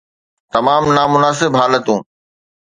تمام نامناسب حالتون